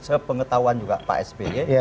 sepengetahuan juga pak sby